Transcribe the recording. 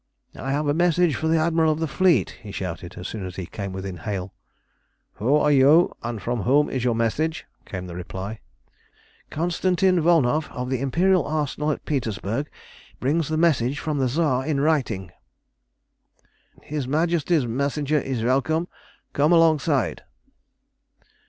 "I have a message for the Admiral of the fleet," he shouted, as soon as he came within hail. "Who are you, and from whom is your message?" came the reply. "Konstantin Volnow, of the Imperial Arsenal at Petersburg, brings the message from the Tsar in writing.' "His Majesty's messenger is welcome. Come alongside."